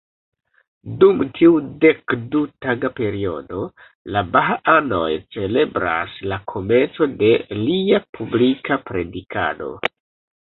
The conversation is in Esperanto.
Dum tiu dekdu-taga periodo, la baha-anoj celebras la komenco de lia publika predikado.